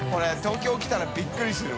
海貪豕来たらびっくりするわ。